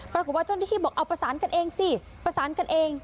ปรากฏว่าเจ้าหน้าที่บอกเอาประสานกันเองสิประสานกันเอง